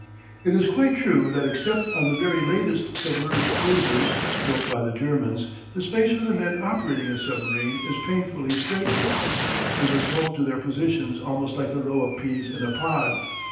It is quite true that except on the very latest "submerged cruisers" built by the Germans, the space for the men operating a submarine is painfully straitened. They must hold to their positions almost like a row of peas in a pod.